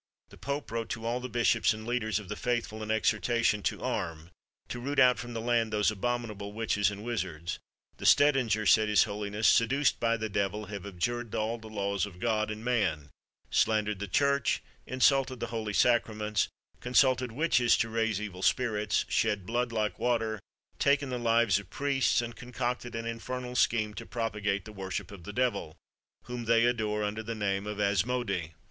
The pope wrote to all the bishops and leaders of the faithful an exhortation to arm, to root out from the land those abominable witches and wizards. "The Stedinger," said his holiness, "seduced by the devil, have abjured all the laws of God and man, slandered the Church, insulted the holy sacraments, consulted witches to raise evil spirits, shed blood like water, taken the lives of priests, and concocted an infernal scheme to propagate the worship of the devil, whom they adore under the name of Asmodi.